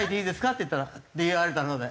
って言ったらって言われたので。